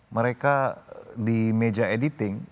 mereka di meja editing